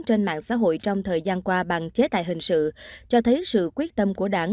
trên mạng xã hội trong thời gian qua bằng chế tài hình sự cho thấy sự quyết tâm của đảng